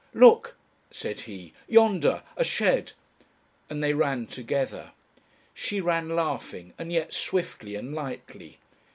"Look!" said he. "Yonder! A shed," and they ran together. She ran laughing, and yet swiftly and lightly.